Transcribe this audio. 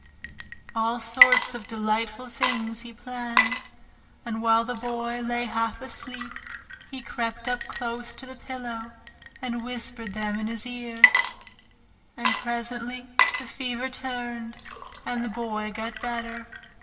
All sorts of delightful things he planned, and while the Boy lay half asleep he crept up close to the pillow and whispered them in his ear. And presently the fever turned, and the Boy got better.